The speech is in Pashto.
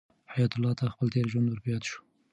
حیات الله ته خپل تېر ژوند ور په یاد شو.